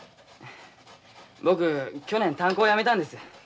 僕去年炭鉱やめたんです。